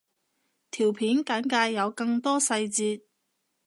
條片簡介有更多細節